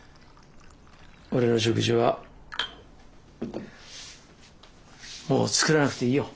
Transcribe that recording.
俺の食事はもう作らなくていいよ。